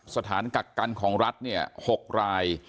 กักกันของรัฐ๖ราย